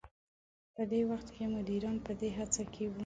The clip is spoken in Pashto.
په دې وخت کې مديران په دې هڅه کې وو.